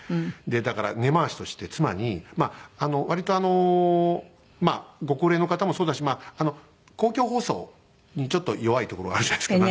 だから根回しとして妻にまあ割とあのご高齢の方もそうだし公共放送にちょっと弱いところがあるじゃないですか。